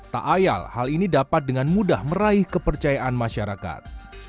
tak ayal hal ini dapat dengan mudah meraih kepercayaan masyarakat